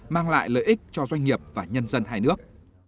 mang lại lợi ích cho doanh nghiệp và nhân dân hai nước